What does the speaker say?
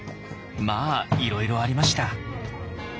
まあいろいろありました。